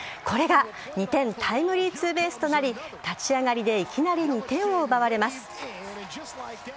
これが２点タイムリーツーベースとなり立ち上がりでいきなり２点を奪われます。